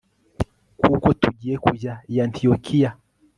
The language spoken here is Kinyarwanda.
kuko tugiye kujya i antiyokiya